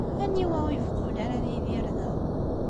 Aniwa ur ibeqqun ara ad yidir da?